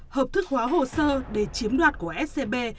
hợp thức hóa hồ sơ để chiếm đoạt của scb